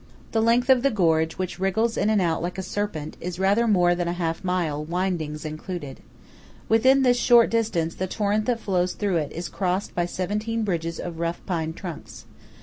The length of the gorge, which wriggles in and out like a serpent, is rather more than half a mile, windings included. Within this short distance, the torrent that flows through it is crossed by seventeen bridges of rough pine trunks.